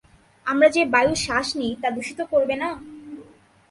আমরা যে বায়ু শ্বাস নিই তা দূষিত করবে না!